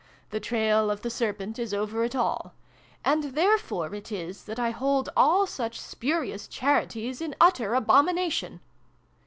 ' The trail of the serpent is over it all.' And there fore it is that I hold all such spurious ' Charities ' in utter abomination